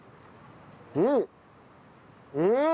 うん！